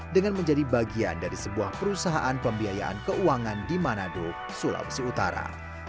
dengan menjadi bagian dari sebuah perusahaan pembiayaan keuangan di manado sulawesi utara